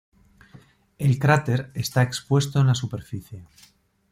El cráter está expuesto en la superficie.